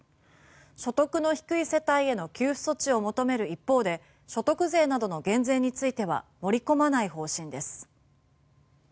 所得の低い世帯への給付措置を求める一方で所得税などの減税については盛り込まない方針です。